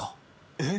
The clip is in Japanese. えっ？